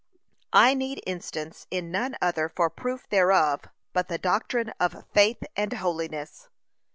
I need instance in none other for proof thereof, but the doctrine of faith and holiness.